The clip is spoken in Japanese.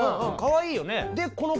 かわいいよね。